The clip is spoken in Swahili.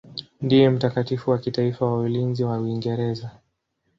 Ndiye mtakatifu wa kitaifa wa ulinzi wa Uingereza.